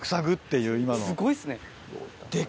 すごいですね！